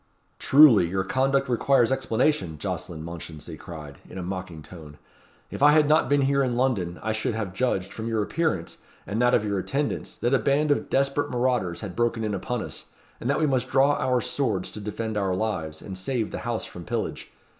"Truly, your conduct requires explanation," Jocelyn Mounchensey cried, in a mocking tone. "If I had not been here in London, I should have judged, from your appearance, and that of your attendants, that a band of desperate marauders had broken in upon us, and that we must draw our swords to defend our lives, and save the house from pillage.